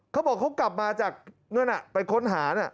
เขาบอกเขากลับมาจากนั่นไปค้นหา